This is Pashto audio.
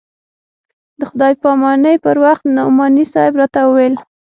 د خداى پاماني پر وخت نعماني صاحب راته وويل.